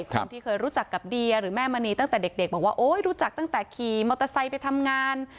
คนที่เคยรู้จักกับเดียหรือแม่มณีตั้งแต่เด็กบอกว่าโอ๊ยรู้จักตั้งแต่ขี่มอเตอร์ไซค์ไปทำงาน